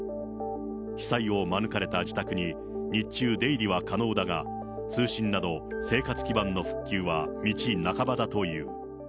被災を免れた自宅に日中、出入りは可能だが、通信など、生活基盤の復旧は道半ばだという。